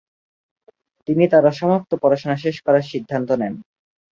তিনি তার অসমাপ্ত পড়াশোনা শেষ করার সিদ্ধান্ত নেন।